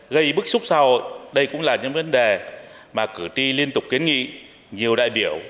gây bức xúc sau đây cũng là những vấn đề mà cử tri liên tục kiến nghị nhiều đại biểu